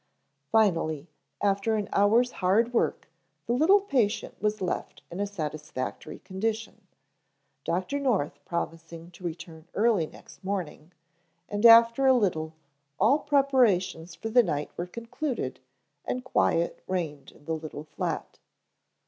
Finally, after an hour's hard work, the little patient was left in a satisfactory condition, Dr. North promising to return early next morning, and after a little, all preparations for the night were concluded and quiet reigned in the little flat.